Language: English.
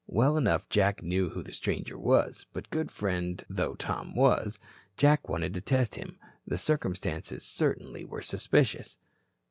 Well enough Jack knew who the stranger was. But good friend though Tom was, Jack wanted to test him. The circumstances certainly were suspicious.